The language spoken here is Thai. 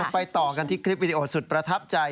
ไปต่อกันที่คลิปวิดีโอสุดประทับใจ